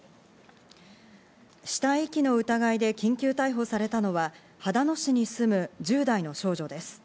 死体遺棄の疑いで緊急逮捕されたのは秦野市に住む１０代の少女です。